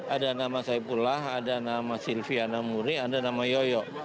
ada nama saipullah ada nama silviana muri ada nama yoyo